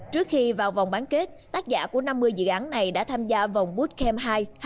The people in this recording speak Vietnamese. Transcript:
trước khi vào vòng bán kết tác giả của năm mươi dự án này đã tham gia vòng bootcamp hai nghìn một mươi